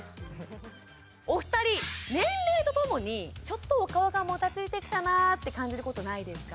お二人年齢とともにちょっとお顔がもたついてきたなって感じることないですか？